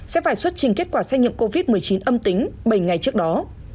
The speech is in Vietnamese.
sẽ phải xuất trình kết quả xét nghiệm covid một mươi chín âm tính bảy ngày trước đó